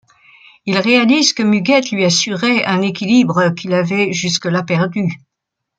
Il réalise que Muguette lui assurait un équilibre qu'il avait jusque-là perdu.